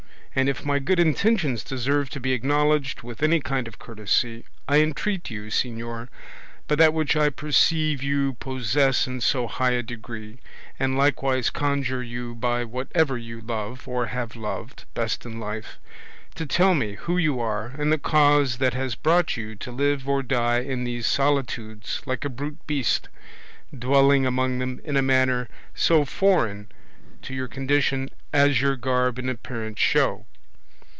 And if my good intentions deserve to be acknowledged with any kind of courtesy, I entreat you, señor, by that which I perceive you possess in so high a degree, and likewise conjure you by whatever you love or have loved best in life, to tell me who you are and the cause that has brought you to live or die in these solitudes like a brute beast, dwelling among them in a manner so foreign to your condition as your garb and appearance show.